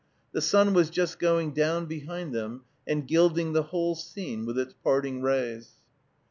The sun was just going down behind them, and gilding the whole scene with its parting rays."